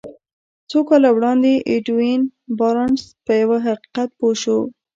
څو کاله وړاندې ايډوين بارنس په يوه حقيقت پوه شو.